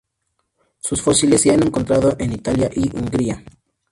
Sus fósiles se han encontrado en Italia y Hungría.